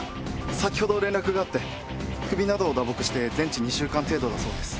先ほど連絡があって首などを打撲して全治２週間程度だそうです。